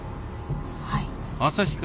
はい。